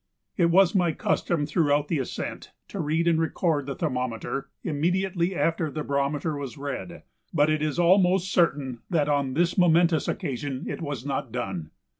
It was my custom throughout the ascent to read and record the thermometer immediately after the barometer was read, but it is almost certain that on this momentous occasion it was not done.